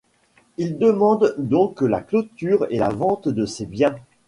Ils demandent donc la clôture et la vente de ces biens.